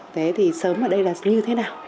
thế thì sớm ở đây là như thế nào